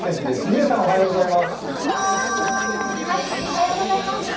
嶺さん、おはようございます。